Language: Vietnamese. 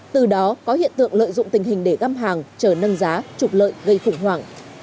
từ đó có hiện tượng lợi dụng tình hình để găm hàng chờ nâng giá trục lợi gây khủng hoảng